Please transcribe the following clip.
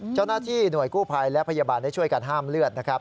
เจ้าหน้าที่หน่วยกู้ภัยและพยาบาลได้ช่วยกันห้ามเลือดนะครับ